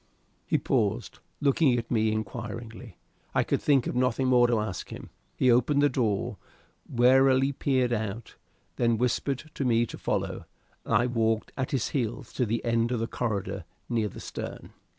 He paused, looking at me inquiringly. I could think of nothing more to ask him. He opened the door, warily peered out, then whispered to me to follow, and I walked at his heels to the end of the corridor near the stern.